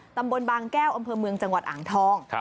ตำบลบางแก้วอำเภอเมืองจังหวัดอ่างทอง